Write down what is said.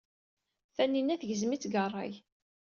Taninna tegzem-itt deg ṛṛay.